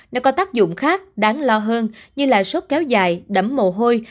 nó có tác dụng khác đáng lo hơn như là sốt kéo dài đấm mồ hôi